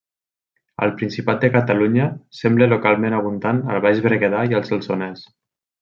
Al Principat de Catalunya sembla localment abundant al baix Berguedà i al Solsonès.